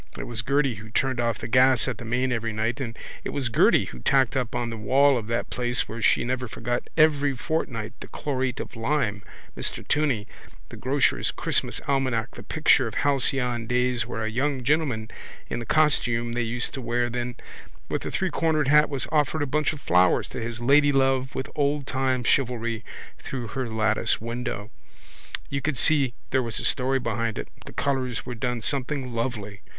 It was Gerty who turned off the gas at the main every night and it was Gerty who tacked up on the wall of that place where she never forgot every fortnight the chlorate of lime Mr Tunney the grocer's christmas almanac, the picture of halcyon days where a young gentleman in the costume they used to wear then with a threecornered hat was offering a bunch of flowers to his ladylove with oldtime chivalry through her lattice window. You could see there was a story behind it. The colours were done something lovely.